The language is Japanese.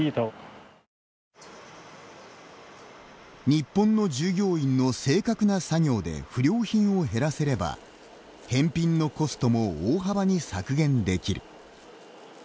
日本の従業員の正確な作業で不良品を減らせれば返品のコストも大幅に削減できる。